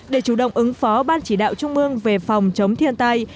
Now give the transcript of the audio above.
để chủ động ứng phó ban chỉ đạo trung ương về phòng chống thiên tai